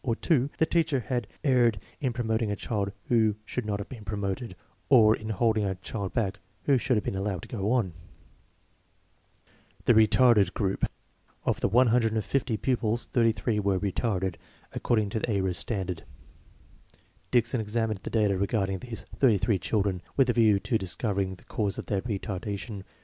or (&) the teacher had erred in promoting a child who should not have been promoted, or in holding a child back who should have been allowed to go on. The retarded group. Of the 150 pupils, 83 were retarded, according to the Ayres standard. Dickson examined the data regarding these 33 children with a view to discovering the causes of their retardation.